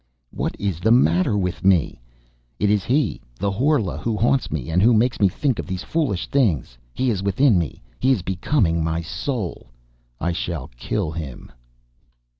What is the matter with me? It is he, the Horla who haunts me, and who makes me think of these foolish things! He is within me, he is becoming my soul; I shall kill him!